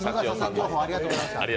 情報、ありがとうございました。